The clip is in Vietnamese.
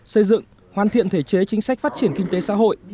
xây dựng hoàn thiện thể chế chính sách phát triển kinh tế xã hội